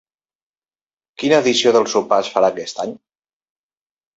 Quina edició del sopar es farà aquest any?